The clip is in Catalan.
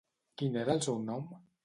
Quin era el seu nom?